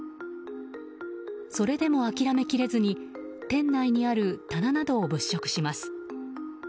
それでも諦めきれずに店内にある棚などを物色します。